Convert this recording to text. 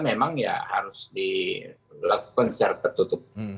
memang ya harus dilakukan secara tertutup